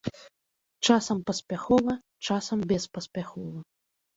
Часам паспяхова, часам беспаспяхова.